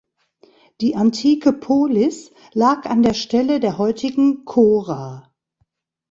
Die antike Polis lag an der Stelle der heutigen Chora.